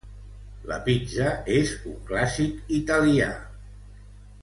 La pizza és un clàssic italià.